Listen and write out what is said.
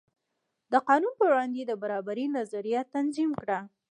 د قانون په وړاندې د برابرۍ نظریه تنظیم کړه.